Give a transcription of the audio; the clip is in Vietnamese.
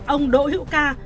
ông đỗ hiệu quang